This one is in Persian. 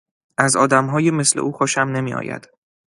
از آدمهای مثل او خوشم نمیآید.